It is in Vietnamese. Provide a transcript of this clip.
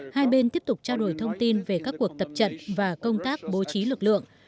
hai bên tiếp tục trao đổi thông tin về các cuộc tập trận và công tác bố trí lực lượng